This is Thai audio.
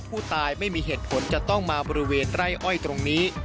ไม่มีเหตุผลจะต้องมาบริเวณไร่อ้อยตรงนี้